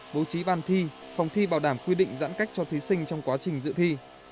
bố trí ban thi phòng thi bảo đảm quy định giãn cách cho thí sinh trong quá trình dự thi